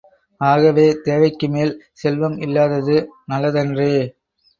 ஆகவே, தேவைக்கு மேல் செல்வம் இல்லாதது நல்லதன்றே!